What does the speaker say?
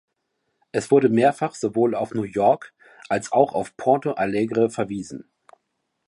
Es wurde mehrfach sowohl auf New York als auch auf Porto Alegre verwiesen.